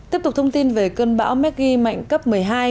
tiếp tục thông tin về cơn bão meki mạnh cấp một mươi hai